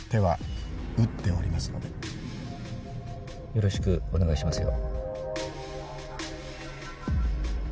よろしくお願いしますよ。